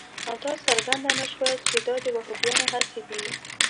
او دا څرګنده نه شوه چې دا د وهابیانو هڅې دي.